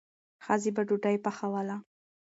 ښځې به ډوډۍ پخوله.